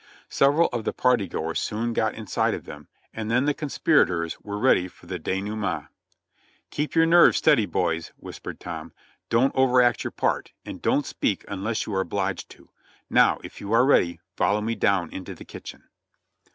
Several of the party goers soon got inside of them, and then the conspirators were ready for the denouement. ''Keep your nerves steady, boys," whispered Tom; "don't over act your part, and don't speak unless you are obliged to ! Now if you are ready, follow me down into the kitchen."